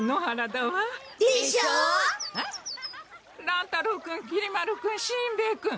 乱太郎君きり丸君しんべヱ君。